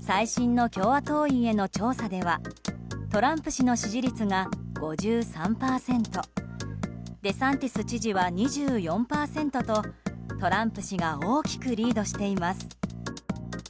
最新の共和党員への調査ではトランプ氏の支持率が５３％デサンティス知事は２４％とトランプ氏が大きくリードしています。